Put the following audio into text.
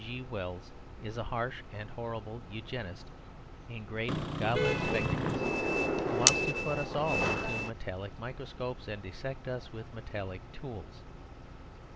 G. Wells is a harsh and horrible Eugenist in great goblin spectacles, who wants to put us all into metallic microscopes and dissect us with metallic tools.